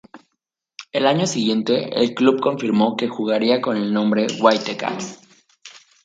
Al año siguiente, el club confirmó que jugaría con el nombre "Whitecaps".